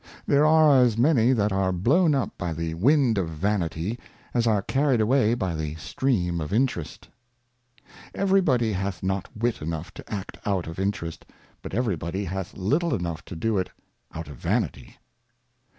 There are as many that are blown up by the Wind of Vanity, as are carried away by the Stream of Interest. Every body hath not Wit enough to Act out of Interest, but every body hath little enough to do it out of Vanity.